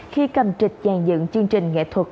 khi cầm trịch dàn dựng chương trình nghệ thuật